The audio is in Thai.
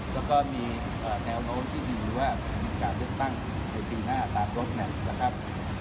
และก็มีแนวโจมตีดีว่าไนการเลือกตั้งในปีหน้าตากลบนะครับ